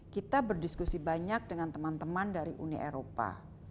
kita berdiskusi banyak dengan teman teman dari uni eropa